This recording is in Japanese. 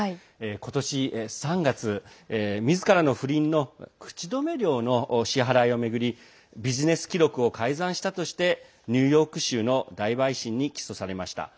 今年３月、みずからの不倫の口止め料の支払いを巡りビジネス記録を改ざんしたとしてニューヨーク州の大陪審に起訴されました。